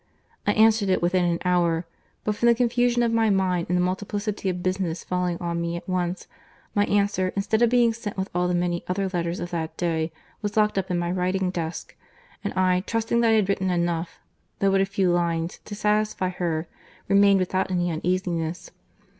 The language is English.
I answered it within an hour; but from the confusion of my mind, and the multiplicity of business falling on me at once, my answer, instead of being sent with all the many other letters of that day, was locked up in my writing desk; and I, trusting that I had written enough, though but a few lines, to satisfy her, remained without any uneasiness.